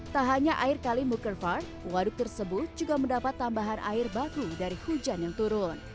tak hanya air kalimukervard waduk tersebut juga mendapat tambahan air baku dari hujan yang turun